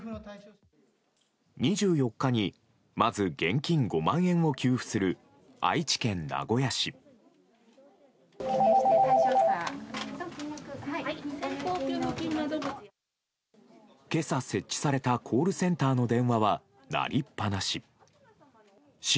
２４日にまず現金５万円を給付する愛知県名古屋市。